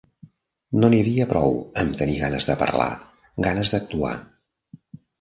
No n'hi havia prou amb tenir ganes de parlar, ganes d'actuar.